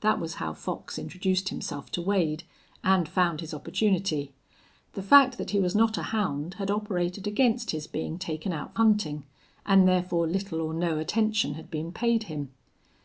That was how Fox introduced himself to Wade, and found his opportunity. The fact that he was not a hound had operated against his being taken out hunting, and therefore little or no attention had been paid him.